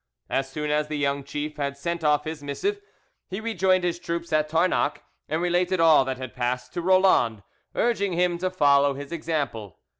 As soon as the young chief had sent off his missive, he rejoined his troops at Tarnac, and related all that had passed to Roland, urging him to follow his example.